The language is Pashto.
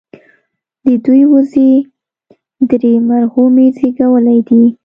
د دوي وزې درې مرغومي زيږولي دي